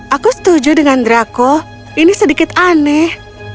aku setuju dengan drako ini sedikit aneh